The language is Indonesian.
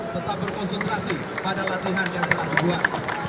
tetap berkonsentrasi pada latihan yang telah dibuat